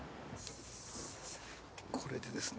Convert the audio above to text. これでですね。